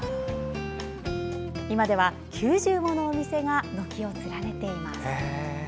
今では、９０ものお店が軒を連ねています。